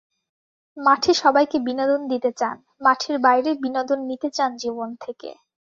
মাঠে সবাইকে বিনোদন দিতে চান, মাঠের বাইরে বিনোদন নিতে চান জীবন থেকে।